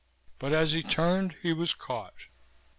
But as he turned he was caught.